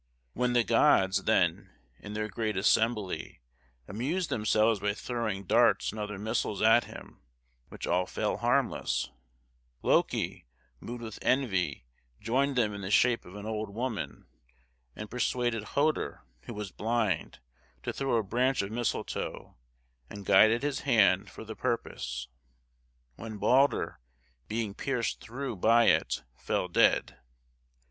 When the gods, then, in their great assembly, amused themselves by throwing darts and other missiles at him, which all fell harmless, Loke, moved with envy, joined them in the shape of an old woman, and persuaded Hoder, who was blind, to throw a branch of misletoe, and guided his hand for the purpose; when Balder, being pierced through by it, fell dead.